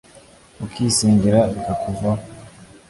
ukisengera bikakuvaho